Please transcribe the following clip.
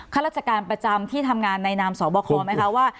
ข้าราชการประจำที่ทำงานในนามสอบคอไหมคะว่า